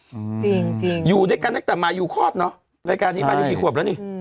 จริงจริงอยู่ด้วยกันตั้งแต่มายูคลอดเนอะรายการนี้มายูกี่ขวบแล้วนี่